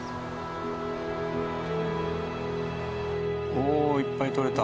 おおいっぱい採れた。